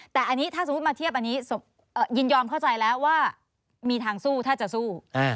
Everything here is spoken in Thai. แต่อันนี้ถ้าสมมุติมาเทียบอันนี้ยินยอมเข้าใจแล้วว่ามีทางสู้ถ้าจะสู้